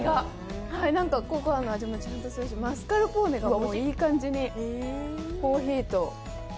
ココアの味もちゃんとするし、マスカルポーネがいい感じにコーヒーと。